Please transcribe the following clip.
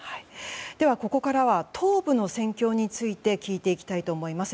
ここからは東部の戦況について聞いていきたいと思います。